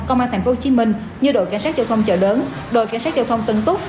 công an tp hcm như đội cảnh sát giao thông chợ bến đội cảnh sát giao thông tân túc